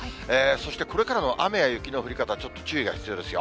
そして、これからの雨や雪の降り方、ちょっと注意が必要ですよ。